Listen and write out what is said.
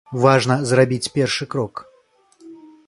Важна зрабіць першы крок.